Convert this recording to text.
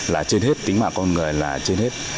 là trên hết tính mạng con người là trên hết